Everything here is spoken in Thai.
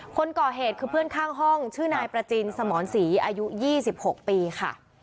คนก่อเหตุคือเพื่อนข้างห้องชื่อนายประจินสมรศรีอายุ๒๖ปีค่ะ